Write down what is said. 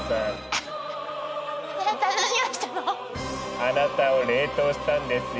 あなたを冷凍したんですよ